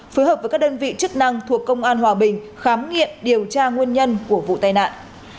phối hợp với các đơn vị chức năng thuộc công an hòa bình khám nghiệm điều tra nguyên nhân của vụ tai nạn